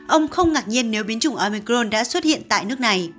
ông không ngạc nhiên nếu biến chủng omicron đã xuất hiện tại nước này